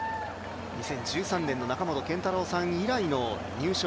２０１３年の中本健太郎さん以来の入賞